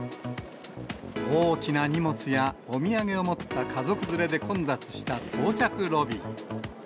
大きな荷物や、お土産を持った家族連れで混雑した到着ロビー。